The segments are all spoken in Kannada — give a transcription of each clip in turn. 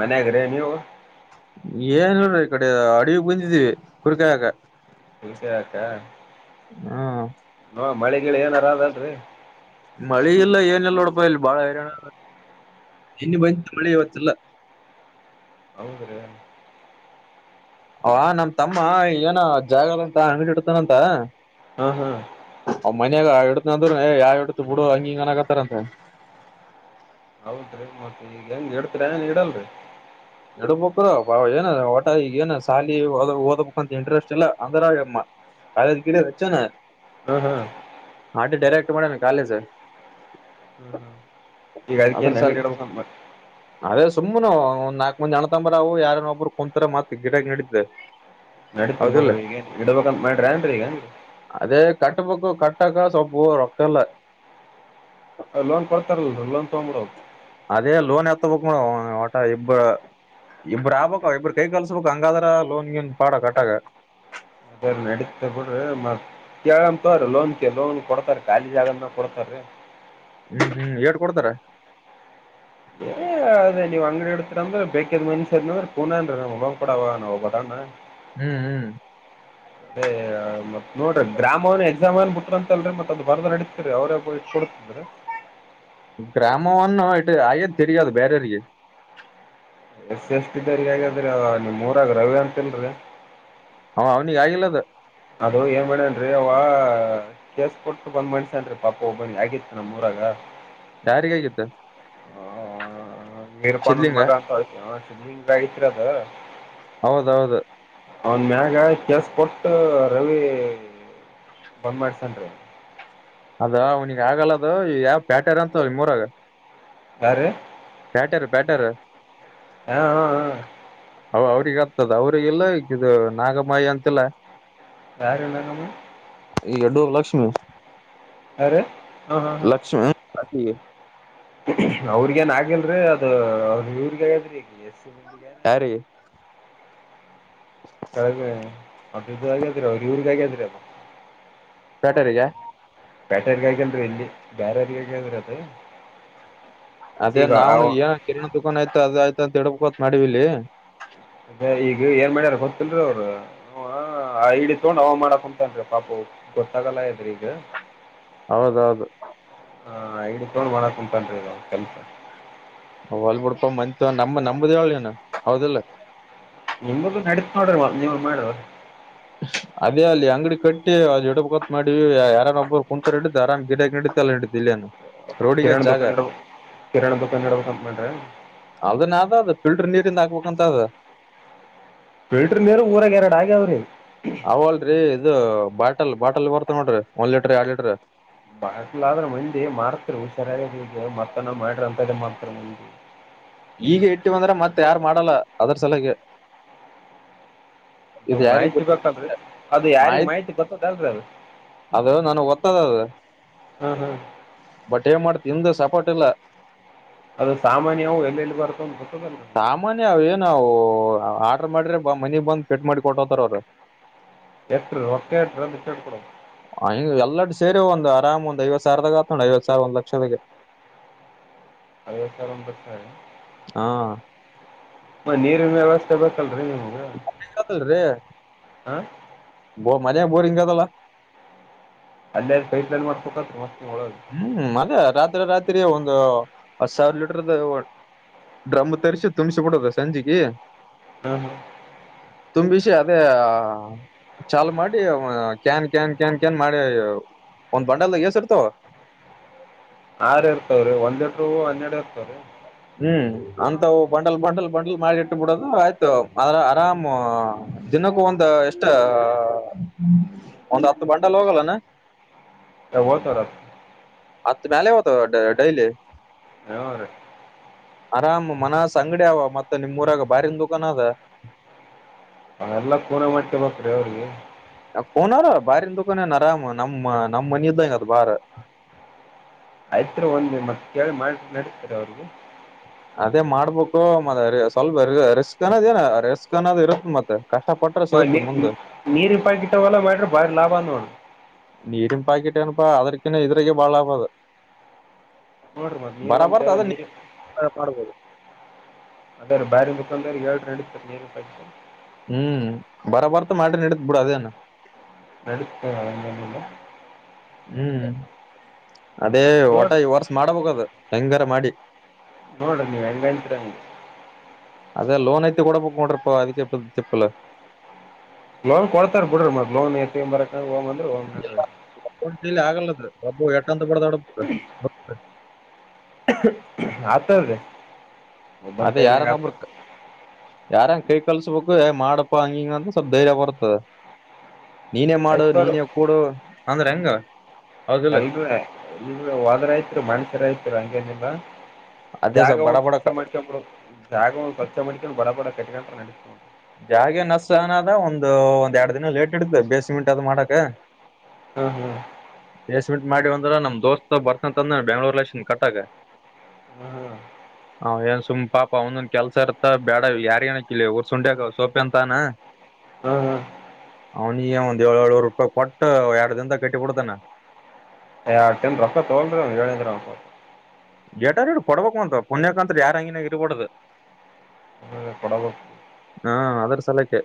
ಮನೆಘ್ರ ನೀವು ಏನ್ ಹೇಳೋಡ್ರಿ ಈ ಕಡೆ ಅಡಿಗೆ ಬಂದಿದೀವಿ ಕುರ್ಕಾಯಾಕ ಸಿಪ ಆಕ್ಕ ಹ್ಮ್ ನ ಮಳೆಗಳ ಏನಾರ ಅದಲ್ರಿ ಮಳಿ ಇಲ್ಲ ಏನೆಲ್ಲ ನೋಡಪ ಇಲ್ಲಿ ಬಾಳ ಹೈರಾಣ ಇನ್ನು ಬಳಿ ಇವತ್ತಿಲ್ಲ ಹೌ ಸರ ಅವ ನಮ್ ತಮ್ಮ ಏನ ಜಾಗರ್ ಅಂತ ಅಂಗಡಿ ಇಡ್ತಾನಂತ ಹಾ ಹಾ ಅಮ್ಮನ ಎಡು ಂದ್ರು ಯಾವ ಎಡ ಬಿಡು ಹಂಗ ಹಿಂಗನಗತ್ತಾರಂತ ಹೌದ್ರೀ ಮತ್ತೆ ಈಗ ಹೆಂಗ್ ಇಡ್ತೀರಾ ಏನ್ ಇಡಲ್ರಿ ಇಡ್ಬ್ರ ಬ ಏನ ಟ ಈಗ ಏನ ಸಾಲ ಓದಬೇಕಂತ ಇಂಟ್ರೆಸ್ಟ್ ಇಲ್ಲ ಅಂದ್ರಗಮ್ಮ ಕಾಲದ ಕಿಡೆ ಹಚ್ಚೋ ನ ಹ್ಮ್ ಹ್ಮ್ ಹಾಟ ಡೈರೆಕ್ಟ್ ಮಾಡೆನೆ ಕಾಾಲಜ ಹ್ಮ ಹ್ಮ ಈಗ ಆದದರ ಅದಕ್ಕೇನ್ ಸಲ್ ಅಂಗಡಿ ಇಡ್ಬೇಕಂತ ಮಾಡ ಅೇ ಸುಮ್ಮ್ ಒಂದ್ ನಾಕಕ್ ಮಂದ್ ಜನ ತಂಬ್ರಾವು ಯಾರನ ಒಬ್ಬರು ಕುಂತರ ಮತ್ ಗಿಡ ನಡಿದ್ದೆ ನಡತು ಬಿಡ್ರಿ ಈಗ ಇಡ್ಬೇಕ ಮಾಡ್ರಿ ಏನ್ರೀ ಈಗನ್ರಿ ಕಟ್ಟ ಪಕ್ಕ ಕಟ್ಟಕ್ಕಾ ಸೊಪ್ಪ ರೊಕ್ಕಲ್ಲ ಅ ಲೋನ್ ಕೊಡ್ತಾರೆ ಲೋನ್ ತಗಂಬಡದು ಅದೇ ಲೋನ್ ಎತ ಬಕ್ ಮೇಡ ಒಟಾ ಇಬ್ಬ ಇಬ್ಬ್ರ ಆಗ್ಬಕ್ ಇಬ್ಬ್ರ ಕೈ ಕಲಸಬೇಕ್ ಹಂಗಾದ್ರ ಲೋನ್ ಗಿನ್ ಪಾಡ ಕಟ್ಟಾಗ ಅದ ನಡತ ಬಿಡ್ರಿ ಮ ಕೇಳಂತ್ರ ಲೋನ್ ಲೋನ್ ಕೊಡ್ತಾರೆ ಖಾಲಿ ಜಾಗ ಕೊಡ್ತಾರಿ [inaudible] ಹ್ಮ್ ಹ್ಮ್ ಏಟ್ ಕೊಡ್ತಾರ ಏ ಅದೇ ನೀವ ಅಂಗಡಿ ಇಡ್ತರ ಅಂದ್ರೆ ಬೇಕಾದ್ ಮನುಷ್ಯ ಅದ ಅಂದ್ರೆ ಕೂನ ಅನಾ ಲೋನ್ ಕೊಡವ ಒಬ್ಬ ಆನ ಹ್ಮ್ ಹ್ಮ್ ಅದೇ ಮತ್ ನೋಡ್ರಿ ಗ್ರಾಮವನ ಎಕ್ಸಾಮ್ ಏನ್ ಬಿಟ್ರ ಅಂತ ಅಲ್ರಿ ಮತ್ ಅದು ಬರ್ದ ನಡಿತದ್ರಿ ಅವ್ರೇ [unintelligible] ಗ್ರಾಮವನ್ನ್ ಆಗೇತ್ ತಿರಾಗಿ ಬೇರೆರಿಗೆ ಎಸಿ ಎಷ್ಟಿ ದವರಿಗಿ ಹಾಗಾದ್ರೆ ನಿಮ್ಮೂರಾಗ ರವಿ ಅಂತಲ್ರೀ ಹ ಅವ್ನಿಗೆ ಆಗಿಲ್ಲದ ಅದು ಏನ್ ಮಾಡೇನ್ರಿ ಅವ ಕೇಸ್ ಕೊಟ್ಟು ಬಂದ್ ಮಾಡಿಸೇನ್ರಿ ಪಾಪ ಒಬ್ಬನ್ ಆಗಿತ್ತು ನಮ್ಮಮೂರಾಗ ಹಾ ಯಾರಿಗಿ ಆಗಿತ್ತ ಮೀರಪಾಣು ಸಿದ್ಲಿಂಗ ಮಗಂತ [unintelligible] ಗ ಆಗಿತ್ರದ ಹೌದೌದು ಅವನ್ ಮ್ಯಾಗ ಕೆಸ್ ಕೊಟ್ಟ ರವಿ ಬಂದ್ ಮಾಡ್ಸನ್ ರೀ ಅದ ಅವನಿಗೆ ಆಗಲ್ಲದು ಯಾವ್ ಪ್ಯಾಟೆರ್ ಅಂತ ನಿಮ್ಮ ಮೂರಾಗ ಯಾರಿ ಪ್ಯಾಟರ್, ಪ್ಯಾಟರ್ ಹಾ ಹಾ ಹಾ ಹ ಅವ್ರಗ ಹತ್ತದ ಅವ್ರಿಗೆಲ್ಲ ಈದ ದು ನಾಗಮಯಿ ಅಂತಿಲ್ಲಾ ಯಾರ ಇಲ್ಲ ನಮ್ಮ ಈ ಎಲ್ಲೀವ ಲಕ್ಷ್ಮಿ ಅರೆ ಹಾ ಹಾ ಹಾ [unintelligible] ಅವ್ರಿಗ ಏನ್ ಆಗಿಲ್ರಿ ಅದು ಅವ ಇವ್ರಗದ್ರಿ ಈಗ ಎಸಿ ಏನ್ ಮಂದಿಗಾಗೇತ್ರಿ ಯಾರಿಗೆ ಕೆಳ ಮದದತ್ರರ ಇವರಿಗೆ ಆಗೇದ ರೀ ಅದು ಪ್ಯಾಟೆ ರಿಗಾ ಪ್ಯಾಟೇ ಗಾಗಿಲ್ರರಿ ಅಲ್ಲಿ ಬೇರಾರಗಿ ಆಗೆದರೀ ಅದು ಅದೇ ಈಗ ಅವ ನಾವ್ನ್ ಏನ ಕಿರಣ್ ದುಕಾನ್ ಆಯ್ತು ಅದ ಆಯ್ತ ಅಂತ ಹ ಹೇಳೋತ್ ಮಾಡಿವವಿ ಇಲ್ಲಿ ಮದ ಈಗ ಏನ್ ಮಾಡ್ಯಾರ ಗೊತ್ತಲ್ರೀ ಅವಾ ಹ ಐಡಿ ತಗೊಂಡ್ ಅವ ಮಾಡಕ್ ಕುಂಂತನ್ ಪಾಪು ಗೊತ್ತಾಗಲ್ಲ ಇದ್ರ ಈಗ ಹೌದೌದು ಹ ಐದು ಕೋಡ್ ಮಾಡಕ್ ಕುಂತಾನ್ರಿ ಕೆಲ್ಸಾ ಹೊಲ್ ಬಿಡ್ಪಾ ಮಂದಿ ತಗೊಂಡ್ ನಮ್ಮ ನಂಬುದ ಯಾವಾಗಿನ ಹೌದಿಲ್ಲ್ ನಿಮ್ದ ನಡಿತದ ನೋಡ್ರಲ್ವಾ ನೀವು ಮಾಡುವ ಅದೇ ಅಲ್ಲಿ ಅಂಗಡಿ ಕಟ್ಟಿ ಅ ಇಡ ಬೆಕತ್ ಮಾಡಿವಿ ಯಾರ ಒಬ್ಬರು ಕುಂತರು ಹಿಡು ಆರಾಮ್ ಗಿಡ ನಡು [unintelligible] ಇಲ್ಲಿಯನು ರೋಡಿಗೆ ಅದ ಕಿರಾಣಿ ಜಾಗಾ ದುಕಾನ್ ಇಡ್ಬೇಕು ಕಿರಾಣಿ ದುಕಾನ್ ಇಡ್ಬೇಕಂತ ಮಾಡ್ರಿ ಅದನ್ನ ಅದ ಅ ಫಿಲ್ಟರ್ ನೀರು ದ ಹಾಕ್ಬೇಕಂತ ಅದ ಫಿಲ್ಟರ್ ನೀರು ಊರಾಗ ಎರಡು ಆಗ್ಯಾವ್ರಿ ಅವ ಅಲ್ರರಿ ಇದು ಬಾಟಲ್ ಬಾಟಲ್ ಬರ್ತ ನೋಡ್ರಿ ಒಂದ್ ಲೀಟರ್ ಎರಡ್ ಲೀಟ್ರ ಬಲ ಆದ್ರೆ ಮಂದಿ ಮಾರ್ತಿರು ಸರಿಯಾಗಿಗೆ ಮತ್ತನ ಮಾಡ್ರ ಅಂತ್ದೇ ಮಾಡ್ತ ಮಂದಿ ಈಗ ಇಟ್ಟಿವ ಬಂದ್ರೆ ಮತ್ತ ಯಾರು ಮಾಡಲ್ಲ ಅದ್ರ ಸಲಗೆ ಅದು ಮಾಹಿತಿ ಗೊತ್ತಲ್ಅದು ಯಾರಿಗೆ ಮಾಹಿತಿ ಗೊತ್ತದ ಅಲ್ರಿ ಅ ಅದ ನನ ಗೋತ್ತದತ್ತದ ಅದ ಹಾಂ ಹಾಂ ಬಟ್ ಏನ್ ಮಾಡ್ತಿಂದು ಸಪೋರ್ಟ್ ಇಲ್ಲಾ, ಅದು ಸಾಮಾನ್ಯವು ಎಲ್ಲ ಎಲ್ಲಿ ಬರ್ತ ಗೊ ಸಾಮಾನ್ಯ ಏನವು ಆ ಆರ್ ಮಾಡ್ರೆ ಮನಿ ಬಂದಂದು ಪೆಟ್ ಮಾಡಿ ಕೊಟ್ಟತಾರ ಅವರು ಎಷ್ಟ್ರ ಒ ಎಟ್ರ ಅ ಬಿಟ್ಟ ಎಡು ಕೊಡ ಹ ಎಲ್ಲರಡು ಸೇರಿ ಒಂದು ಅರಾಮ್ ಒಂದ್ ಐವ ಸಾವರದಾಗ ಆತ್ೋ್ ಐವತ್ ಸಾವರ ಒಂದ್ ಲಕ್ಷದ ಅದಥ ಬತಾರೆ ಹಾ ನೀರಿನ ವ್ಯವಸ್ಥೆ ಸ ಚಲ ರೀ ನೀವು ಲ್ರಿ ಹಾ ಬ ಮಜೆ ಬೋರಿಂಗ್ ಕ ತಲ್ಲ ಅಲ್ಲ ಕೈ ಮ ಹ್ಮ್ ಮದೆ ರಾತ್ರಿ ರಾತ್ರಿ ಒಂದು ಹತ್್ ಸಾವಿರ ಲೀಟರ್ದ ಡ್ರಮ್ ತರ್ಸಿ ತುಂಬಸ ಬಿಡದ ಸಂಜೆೆಗೆ ಹ್ಮ ಹಾ ತುಂಬಿಷಯ ಅದೇ ಚಾಲ್ ಮಾಡಿ ಕ್ಯಾನ್ ಕ್ಯಾನ್ ಕ್ಯಾನ್ ಕ್ಯಾನ್ ಮಾಡಿ ಒಂದ್ ಬಂಡಲ್ದ ಎಸರ್ ತ ಆ್ರ ಇರ್ತವ್ರೀ ಒಂದ್ ಲಟ ಹನ್ನೆರಡು ಇರ್ತವ್ರೀ ಹ್ಮ್ ಅಂತವು ಬಂಡಲ್ ಬಂಡಲ್ ಬಂಡಲ್ ಮಾಡಿಟ್ಟ ಬಿಡೋದು ಆಯ್ತು ಅದ್ರ ಆರಾಮ್ ಇನ್ನಕ್ಕೂ ಒಂದ ಎಷ್ಟ ಒಂದ್ ಹತ್ತು ಬಟಲ್ ಹೋಗಲ್ಲಾನ ಯಬರ ಆ ಮ್ಯಲೆವತ ಡೈಲಿ ಅವರ ಆರಾಮ್ ಮನ ಅಂಗಡಿ ಅವ ಮತ್ತೆ ನಿಮ್ೂಊರಾಗ ಬಾರನ್ ದುಕಾಾನ ಅದ ಅವ ಎಲ್ಲಾ ಕೂನೆ ಮಾಡ್ಕ ಮಕ್್ರೀ ಅವ್ರಿಗೆ ಕೋನಾರ ಬಾರನ್ ದುಕಾನನ್ ಆರಾಮ್ ನಮ್ಮ ನಮ್ಮ್ ಮನ ಇದ್ದಂಗ ಅದ ಬಾರ ಆಯ್ತ್ ಒಂದ ನಿ ಮ ಕೇಳಿ ಮಾಡ ನಡತಾರೆ ಅವ್ರಗೂ ಅದೇ ಮಾಡ್ಬೇಕು ಮ ಸ್ವಲ್ಪ ರಿಸ್ಕ್ ಅನ್ನೋ್ ಏನ ರಿಸ್ಕ್ ಅನ್ನೋದ್ ಇರುತ್ತತ್ ಮತ್ತೆ ಕಷ್ಟ ಪಟ್ರ ಹ ನೀ ಸಿಗುತ್ತ ಮುಂದ್ ನೀರಿಂಪಾಯಕಿಟ್ಟವೆಲ್ಲ ಮಾಡ್ರೆ ಬಾರಿ ಲಾಭ ನೋಡ ನೀರಿನ್ ಪಾಕಿಟ್ ಅನಪಾ ಅದ್ರಕಿ ಇದ್ರಕ್ಕೆ ಬಾಳ ಆಬ ಅದ ನೋಡಿರಿ ಮತ್ತು ನೀರು ಅಂತ ಬರಬರ್ ನೀರು ಅದಬೋದು ಅದೇ ರ ಬಾರಾರಿಿನ ಬುಖಾದಾರ ಏಳ್ಂಡ ಇತ ನೀಾಯತು ಹ್ಮ್ ಬರಬರ್ತ ಮಾಡ್ರ ನಡತ್ ಬಿಡ ಅದೇನ ನಡತ ಅಂಗಲ ಹ್ಮ್ ಅದೇ ಹೊಟ ನೋಡಿರಿ ಈ ವರ್ಷ ಮಾಡಬೇಕ ಅದು ಹೆಂಗಾರ ಮಾಡಿ ನೋಡ ನೀವು ಹೆಂಗತರ ಅದೇ ಲೋನ್ ಐತಿ ಕೂಡ ಪಕ್ ಮಡ್ರಪ್ಪ ಅದಕ್ಕೆ ಕೆ ಚಪ್ಪಲ್ಲ ಲೋನ್ ಕೊಡ್ತಾರ ಬಿಡ್ರಿ ಮತ್ ಲೋನ್ ಎತ್ತ ಬರಕ ಹೋಗ್ ಅಂದ್ರಿ ಹ್ ನ್ರಿ ಇಲ್ಲಿ ಆಗಲ್ಲದ ಒಬ್ಬು ಎಟ್ಟಂತ ಬಡ್ದೊಡ ಆತದ್ರೀ ಅದ ಯಾರನ್ನ ಒಬ್ರು ಯಾರನ್ ಕ ಕಲ್ಸ್ಬೇಕು ಮಾಡಪ್ಪಾ ಹಂಗಿಂಗ ಅಂತ ಸ್ವಲ್ಪ ಧೈರ್ಯ ಬರ್ತದೆ ನೀನೇ ಮಾಡು ಆಯ್ತವ್ರ ನೀನೇ ಕೊೂಡು ಅಂದ್ರೆ ಹೆಂಗ ಹೌದಿಲ್ಲ ಎಲ್ ಇ ಹೋದ್ರಯತ್ರು ಮಣಸ್ಯರ ಆತ್ರು ಹಂಗೇನಿಲ್ಲ ಅದೇ ಜಾಗ ಸ್ವಲ್ಪ ಒ ಬಡ ಬಡ ಸ್ವಚ್ಛ ಮಾಡ್ಕೊಂಡಬ ಜಾಗ ಒ ಸ್ವಚ್ಛ ಮಾಡ್ಕೊಂಡು ಬಡ ಬಡ ಕಟಗಂ ನಡೆಸ್ತ ಜಾಗೆ ನಷ್ಟ ಅನದ ಒಂದು ಒಂದ ಎರಡು ದಿನ ಲೇಟ್ ಇಡತದೆ ಬೇಸಿಮೆಂಟ್ ಅದು್ ಮಾಡಕ ಹ್ಮ ಹ್ಮ್ ದಸ್್ಮಂಟ್ ಮಾಡಿ ಒಂದು ಅ್ರ ನಮ್ ದೋಸ್ತ ಬರ್ತಂತ ಅಂದ್ರ ಬೆಂಗ್ಳೂರ್ ಲನ್ ಕಟ್ಟಾಗ ಹ್ಮ್ ಹ ಹ ಏನ್ ಸುಮ್ ಪಾಪಾ ಒಂದೊಂದ್ ಕೆಲ್ಸ ಇರ್ತ ಬೇಡ ಯಾರ್ ಏನಕ್ಕಿಲ್ಲಿ ಉಊರ್ ಸುಂಡ್ಯಾಗ ಸೋಪೆ ಅಂತಾನ ಹ್ಮ್ ಹ್ಮ ಅವನಿಿಗೆ ಒಂದ್ ಏಳು ಏಳೂರು ರೂಪಾಯಿ ಕೊಟ್ಟ ಎರಡ್ ದಿನದ ಕಟ್ಟಿಬಡ್ತಾನ ಟನ್ ರೊಪಾಯ ತಗೊಂಡ್ರಿ ಅವ್ ಹೇಳಿದ್ರ ಅನ್ಕ ಎಟಾರ ಕೊಡ್ಬೇಕು ಅಂತ ಪುಣ್ಯಾಕತ್್ರ ಯಾರ ಹಂಗಿನಾಗ ಇರ್ಬಡ್ದ ಕೊಡಬೇಕ ಹಾ ಅದ್ರ ಸಲಕೆ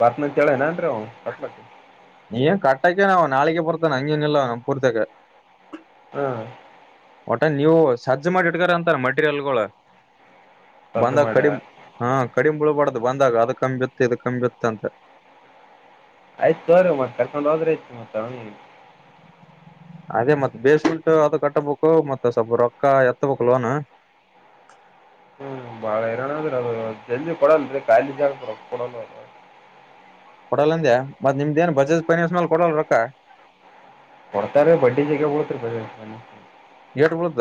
ಬತ್ನಂತೇಳನ ಅನ್್ರೀ ಅವ ಕಟ್ಲಕ್ಕೆ ನೀನ್ ಕಟ್ಟಕ ನ ನಾಳೆಗೆ ಬರ್ತಾನ ಹಂಗೇನ ಇಿಲ್ಲ ನಮ್ಮ ಪೂರ್ತಕ ಹ್ಮ ಒಟ ನೀವು ಸಜ್ಜು ಮಾಡಿ ಇಡ್ಕರ ಅಂತಾರ ಮಟೀರಿಯಲ್ಗಳು ರದ್ದು ಬಂದಾಗ ಮಾಡ ಕಡಿಮ ಹಾ ಕಡಿಮ ಬಿಳಬಡ್ ದು ಬಂದಾಗ ಅದ ಕಂಬಿತ್ತು ಇದ ಕಂಬಿತ್ತ ಅಂತೆ ಆಯ್ತು ತೋ್ರಿ ಮತ್ತತ್ ಕರ್ಕೊಂಡ್ ಹೋದ್ರೆ ಐತ್ ಮತ್ತ ಅವ ಅದೇ ಮತ್ತ್ ಬೇಸಂಟು ಅದು ಕಟ್ಟಬೇಕು ಮತ್ತತ್ ಸ್ವಲ್ಪ ರೊಕ್ಕ ಎತ್ತಬೇಕು ಲೋನ್ ಹ್ಮ್ ಬಾಳ ಏನನ್ರ ಅ ಜಲ್ಜಿ ಕೊಡಲ್ೀ ಕಾಯಿ ಜ ಕೊಡಲ್ಲ ಅದು ಕೊಡಲ್ಲ ಅಂದ್ಯಾ ಮತ್ತತ್ ನಿಮ್ದೇಏನ್ ಬಜೇಜ್ ಫೈನ್ನ್ಸ್ ಮೇಲೆ ಕೊಡಲ್ ರೊಕ್ಕ ಕೊಡ್ತಾರೀ ಬಡ್ಡಿ ಜಗ ಬಳತ್ರಿ ಬ ಎಟು ಬಡ್ದ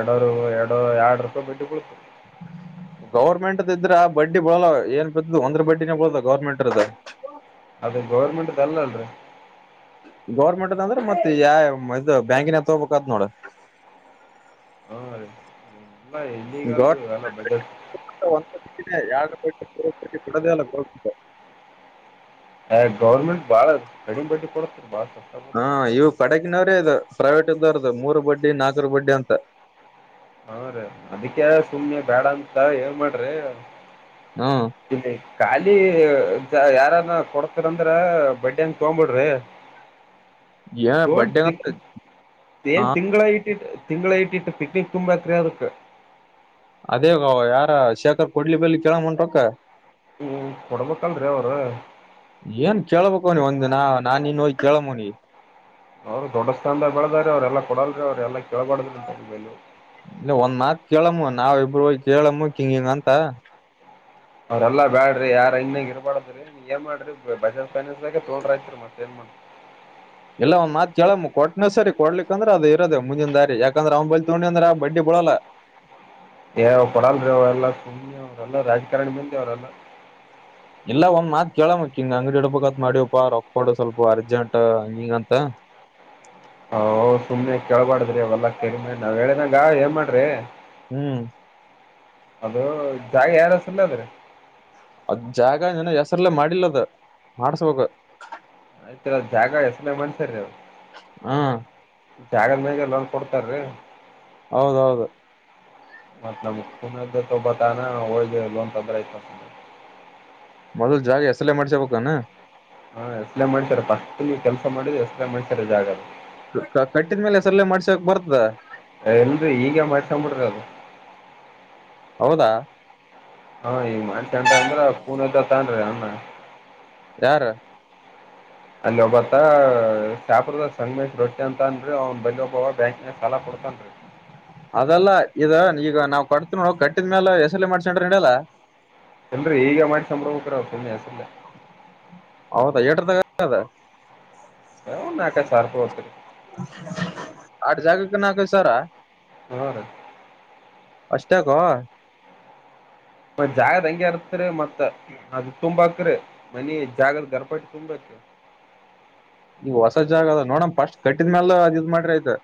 ಎರಡರು ಎರಡು ಎರಡು ರೂಪಾಯಿ ಬಿಟ್ಟು ಕುತು ಗೌರ್ಮೆಂಟ್ದ ಇದ್ರ ಆ ಬಡ್ಡಿ ಬಳಲ್ ಏನ್ ಬತದ ಒಂದ್ರ ಬಡ್ಡಿನೇ ಬಳದ ಗೌರ್ಮೆಂಟ್ದ ಅದೇ ಗೌರ್ಮೆಂಟ್್ದ ಅಲ್ಲಲ್ರಿ ಗೌರ್ಮೆಂಟ್ ಅದ ಅಂದ್ರೆ ಮತ್ತ ಯ ಇದು ಬ್ಯಾಂಕಿನ ತಗಬೇಕತ್ ನೋಡ ಇನ್ನಗಾಲ್ಲ ಬಜೆಟ್ ಯಾರಟ್ಟಿ ಕೊಡದೆ ಅಲ್ಲ ಹೋಗಬಟ್ಟ ಆ ಗೌರ್ಮೆಂಟ್ ಬಾಳ ಕಡಿಮೆ ಬಡ್ಡಿ ಕೊಡತರಿ ಬಾಳ ಕಷ್ಟ ಹಾ ಇವು ಕಡೆಗಿನವ್ರೇ ಇದು ಪ್ರೈವೇಟ್ ಇದ್ದಾರದು ಮೂರು ಬಡ್ಡಿ ನಾಲ್ಕರ ಬಡ್ಡಿ ಅಂತ ಹನ್್ರೀ ಅದಕ್ಕೆ ಸುಮ್ಮನೆ ಬೇಡ ಅಂತ ಏವ ಮಾಡ್ರಿ ಹಾ ಇಲ್ಲಿ ಖಾಲಿ ಯಾರಾನ ಕೊಡ್ತರಂದ್ರ ಬಡ್ಡ್ಯಾಂಗ ತೊಗ್ಬಿಡ್ರಿ ಏನ ಹೋೊಂಡ ಬಡ್ಡೆ ತಿ ಏನ್ ತಿಂಗಳಾಗಿಟ್ಟ ತಿಂ ಇಟ್ಟಿಟ್ಟ ಪಿಕಕ್ನಿಕ್ ತುಂಬಾತ್ರಯಾದಕ್ ಅದೇಗ ಯಾರ ಶೇಖರ್ ಕೊಡ್ಲಿ ಬೆಲ್ಲಿಿ ಕೇಳ ಮುಂಟಕ್ಕ ಕೊಡ್ಬೇಕಂದ್ರೀ ಅವರು ಹೋನಿ ಒಂದ್ ನ ನಾನ್ ಇನ್ ಹೋಗಿ ಕೇಳಮ್ಮೋನಿ ಅವ್ರು ದೊಡ್ಡ ಸ್ಥಾನದ ಬ ಬೆಳದ್ರ ಅವ್ರೆಲ್ಲ ಕೊಡಲ್ರಿ ಅವ್್ರ ಎಲ್ಲಾ ಕೇಳಬಾರ್ದ್ರಿಂತ ನಿವು ಇಲ್ಲ ಒಂದ್ ಮಾತ್ ಕೇಳಮ್ಮ ನಾವ ಇಬ್ರು ಕೇಳಮ್ಮ ಕಿಂಗ ಹಿಂಗ ಅಂತ ಅವ್ರಲ್ಲ ಬೇಡ್ರಿ ಯಾರ ಇನ್ನಾಗ ಇಬಡದ್ರಿ ನೀ ಏನ್ ಮಾಡ್ರಿ ಬಜಾಜ್ ೈನಾನ್ಸ್ ಬಗ್ೆ ತೋ್ರ ಆಯತ್ರಿ ಮತ್ತ ಜರ್ಮನ್ ಇಲ್ಲ ಒಂದ್ ಮಾತ್ ಕೇಳಮ್ಮ್ ಕೊಟ್ಟನೆ ಸರಿ ಕೊಡ್ಲಿಕ್ಂದ್ರ ಅದ ಇರದೇ ಮುಿನ ದಾರಿ ಯಾಕಂದ್ರೆ ಅವ್ ಬೈಲ್ ತಗೊಂಡಿ ಅಂದ್ರೆ ಬಡ್ ಕೊಳಲ ಏ್ ಕೊಡಲ್ರಿ ಅವರೆಲ್ಲಾ ಸುಮ್ಯ ಅವರೆಲ್ಲ ರಾಜಕಾರಣ ಬಂದೆ ಅವರೆಲ್ಲಾ ಇಲ್ಲ ಒಂದ್ ಮಾತ್ ಕೇಳಳಮ್ಮಕ್ ಹಿಂಗ ಅಂಗಡಿ ಹಡಪಕ್ತ್ ಮಾಡ್ಯವಪ್ಪ ರೊಕ್ಕ ಮಾಡಡು ಸ್ವಲ್ಪ ಅರ್ಜೆಂಟ್ ಹಂಗಿಂಗ ಅಂತ ಅವ್ ಸುಮ್ನೆ ಇಲ್ಲಾ ಏನ್ ಮಾಡ್ರಿ ಹ್ಮ್ ಅದು ಜಾಗ ಯಾರಸಲ್ಲ ಅದ್ರೆ ಅದ್ ಜಾಗ ನನ ಹೆಸ್ರಲ್ಲೇ ಮಾಡಿಲ್ಲದ ಮಾಡ್ಸ್ಬೇಕು ಆಯ್ತ್ರಿ್ ಜಾಗ ಎಸಮೇ ಮಾಡ್ಸರಿೀ್ ಹಾ ಜಾಗದ ಮೇಾಗ ಎಲ್ಲನ್ ಕೊಡ್ತಾರೀ ಹೌದೌದು ಮತ್ತತ್ ನಮ್ [unintelligible] ಮೊದಲ್ ಜಾಗ ಹೆಸಲ್ಲೇ ಮಾಡ್ಸ ಬಾನ. ಹಾ ಹೆಸ್ರಲ್ಲೇ ಮಾಡ್ಸರ ನೀವ ಕೆಲ್ಸ ಮಾಡಿದ್ರ ಹೆಸ್ರಲ್ಲೇ ಮಾಡ್ಸ್ಯಾರ ಜಾಗ. ಕಟ್ಟಿದ ಮೇಲೆ ಹೆಸ್ರಲ್ ಮಾಡ್ಸಕ್ ಬರ್ತದ. ಎ ಈಗ ಮಾಡ್ಸೊಂಡ್ ಬಿಡ್ರಿ ಅದು. ಹೌದಾ. ಹಾ ಈಗ ಮಾಡತಂಟ ಅಂದ್ರ ಪೂನದ್ದ ತನ್ ಅಮ್ಮ ಯಾರ. ಅಲ್ಲಿ ಒಬ್ಬತ್ತ ಶ್ಯಾಪರದಸ್ ಸಂಗ್ಮೇಶ್ ರೊಟ್ಟಿ ಅಂತ ಹಂನ್ರೀ ಅವ್ನ್ ಬಲ್ಲಿ ಒಬ್ಬವ ಬ್ಯಾಂಕ್. ಅದಲ್ಲ ಇದ ಈಗ ನಾವ್. ಕೊಟ್ತ ನೋಡ್ ಕಟ್ಟಿದ್ಮೇಲ ಹೆಸರ್ಲ್ ಮಾಡ್ಸದ್ರ್ ನಡಿಯಲ್ಲ. ಇದ್ರ್ ಈಗ ಮಾಡ್ಸ್ಕೊಂದ್ ಬರ್ಬೆಕ್. ಹೌದಾ ಏಟ್ರತಕ ಅದ. ನಾಕ ಸಾರ್ಪುತ್ರೀ. ಅಟ್ ಜಗಕ್ ನಕಯ್ಡ್ ಸಾವಿರ. ಹರೀ. ಅಷ್ಟಾಕೋ. ಮ ಜಾಗದ ಹಂಗಗೆ ಅರ್ತ್ರಿ ಮತ್ತ ಅದ ತುಂಬಾ ಅಕ್ರಿ ಮನಿ ಜಾಗದ ಗರ್ಪಟಿ ತುಂಬ ಅತ್. ಈಗ ಹೊಸ ಜಾಗ ಅದ ನೋಡಮ ಫಸ್ಟ್ ಕಟ್ಟಿದ್ಮ್ಯಾಲ ಅದು ಇದ್ ಮಾಡ್ರಿ ಆಯ್ತ.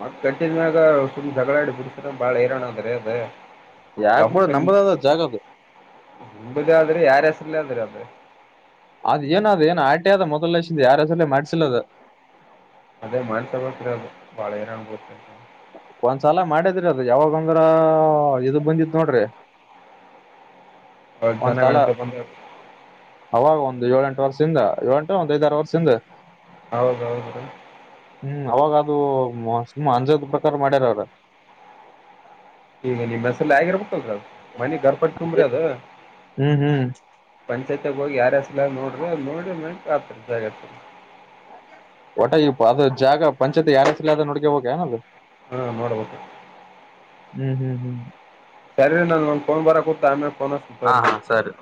ಮತ್ತ ಕಂಟಿನ್ ಮ್ಯಾಗ ಸುಮ್ನೆ ಜಗಳ ಆಡಿ ಬಿತ ಬಾಳ್ ಹೈರಾಣ ಅದ ರೀ ಅದು. ಯಾಕ್ ಬಿಡ ನಂಬದ ಅದ ಜಾಗ ಅದು ನಿಂಬುದ ಆದ್ರಿ ಯಾರ ಹೆಸ್ರಲ್ಲ ಅದ್ರಿ ಅದ್ರೆ. ಅದ್ ಏನ ಅದ್ ಏನ ಆಟೆ ಆದ ಮೊದಲ ಹೇಸುರ್ ಯಾರ ಹೆಸರ ಮಾಡ್ಸಿಲ್ಲದ. ಅದೇ ಮಾಡ್ ತಗೋತೀರ ಅದು [unintelligible] ಒಂದ್ಸಲ ಮಾಡದ್ರಿ ಅದು ಯಾವಾಗ ಅಂದ್ರ ಇದು ಬಂದಿತ್ ನೋಡ್ರಿ. ಅವಾಗ ಒಂದ್ಸಲ ಜನಗಣತ ಬಂದ ಅವಾಗ ಒಂದ್ ಏಳ ಎಂಟು ವರ್ಷ. ಎಂಟು ಒಂದ್ ಐದಾರರ ವರ್ಷಿಂದ. ಹೌದೌದು. ಅಂದಾಜು ಪ್ರಕಾರ ಮಾಡ್ಯಾರ ಅವ್ರ. ಈಗ ನಿಮ್ಮ್ ಹೆಸ್ರಲ್ಲೇ ಎಲ್ಲ ಆಗಿರ್ಬೇಕು ಅಲ್. ಮನೆ ಗರ್ಪಟ್ಟ ತುಂಬ್ರಿ ಅದು. ಹ್ಮ್ ಹ್ಮ್ ಹೋಗಿ ಯಾರ ಹೇಸುರು ಮೆಲ್ ನೋಡ್ರಿ ನೋಡಿರಿ ನ ಆತರಿ ಜಾಗತ. ಒಟಾ ಈ ಅದ ಜಾಗ ಪಂಚಾಯತಿ ಯಾರಸಲ್ ಅದ ನುಡ್ಗೆ ಹೋಗ ಏನ ಅದು. ಹಾ ನೋಡ್ಬೇಕು. ಹ್ಮ್ ಹ್ಮ್ ಹ್ಮ್ ಸರಿ ನನ್ ಒಂದ ಫೋನು ಬರಕೂತದ ನಾನು ಆಮೇಲೇ. ಹಾ ಹಾ ಸರಿ.